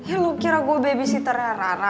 eh lu kira gue babysitternya rara